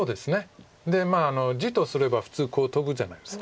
で地とすれば普通こうトブじゃないですか。